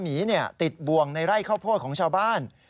หมีติดบวงในไร่ข้าวโพดของชาวบ้าน